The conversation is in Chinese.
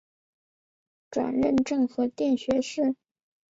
转任政和殿学士。